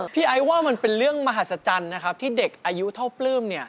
ไอ้ว่ามันเป็นเรื่องมหัศจรรย์นะครับที่เด็กอายุเท่าปลื้ม